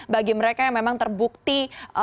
bagi mereka yang memang terbukti